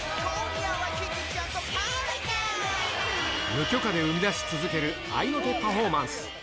無許可で生み出し続ける合いの手パフォーマンス。